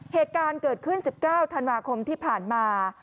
เหตุการณ์เกิดขึ้น๑๙ธันวาคมที่ผ่านมา